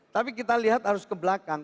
tapi kita lihat harus ke belakang